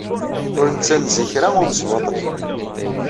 Ur nettanez i kra umesbaṭli.